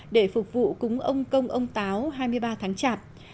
để phục vụ cúng ông công ông táo hai mươi ba tháng chạp